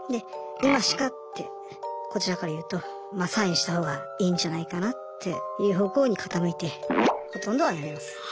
で「今しか」ってこちらから言うとサインしたほうがいいんじゃないかなっていう方向に傾いてほとんどは辞めます。